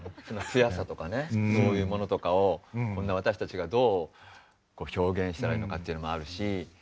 ピュアさとかねそういうものとかをこんな私たちがどう表現したらいいのかというのもあるし